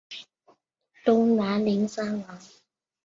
东南邻山王。